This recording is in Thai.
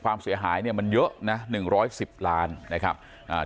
ความเสียหายเนี่ยมันเยอะนะหนึ่งร้อยสิบล้านนะครับอ่า